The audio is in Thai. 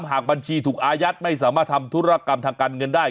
หากบัญชีถูกอายัดไม่สามารถทำธุรกรรมทางการเงินได้